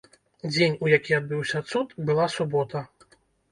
Дзень, у які адбыўся цуд, была субота.